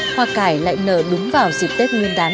hoa cải lại nở đúng vào dịp tết nguyên đán